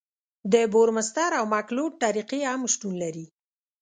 د بورمستر او مکلوډ طریقې هم شتون لري